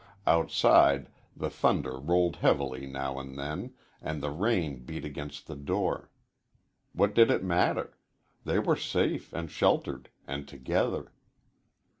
Outside, the thunder rolled heavily now and then, and the rain beat against the door. What did it matter? They were safe and sheltered, and together.